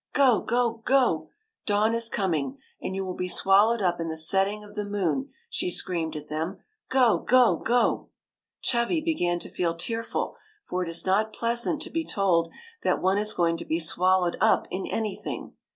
" Go, go, go ! Dawn is coming, and you will be swallowed up in the setting of the moon," she screamed at them. " Go, go, go !" Chubby began to feel tearful, for it is not pleasant to be told that one is going to be swallowed up in anything.